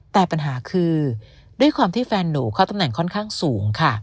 แต่ปัญหาคือด้วยความที่แฟนหนูเข้าตำแหน่งค่อนข้างสูงค่ะ